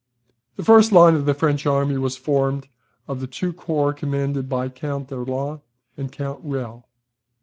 The first line of the French army was formed of the two corps commanded by Count d'Erlon and Count Reille.